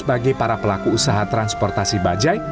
bagi para pelaku usaha transportasi bajai